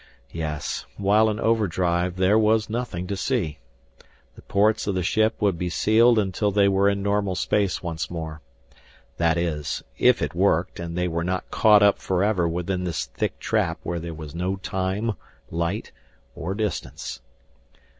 Yes, while in overdrive there was nothing to see. The ports of the ship would be sealed until they were in normal space once more. That is, if it worked and they were not caught up forever within this thick trap where there was no time, light, or distance.